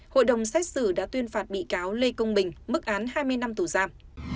hội đồng xét xử đã tuyên phạt bị cáo lê công bình mức án hai mươi năm tù giam